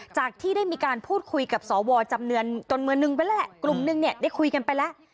จากที่ได้มีการพูดคุยกับสวจำเนืองณนึงได้คุยกันไปแล้ว